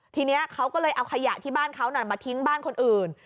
ทีนี้เขาก็เลยเอาขยะที่บ้านเขามาทิ้งบ้านคนอื่น